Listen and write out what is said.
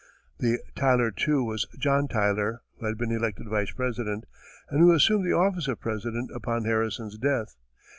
The "Tyler Too" was John Tyler, who had been elected Vice President, and who assumed the office of President upon Harrison's death.